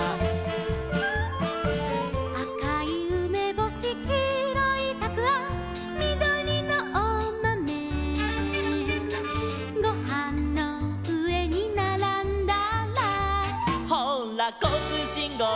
「あかいうめぼし」「きいろいたくあん」「みどりのおまめ」「ごはんのうえにならんだら」「ほうらこうつうしんごうだい」